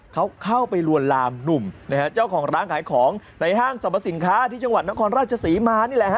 เขาเข้าไปลวนลามหนุ่มนะฮะเจ้าของร้านขายของในห้างสรรพสินค้าที่จังหวัดนครราชศรีมานี่แหละฮะ